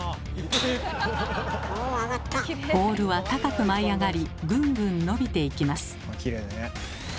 ボールは高く舞い上がりぐんぐん伸びていきます。